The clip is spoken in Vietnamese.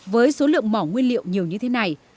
với số lượng mỏ nguyên liệu nhiều như thế này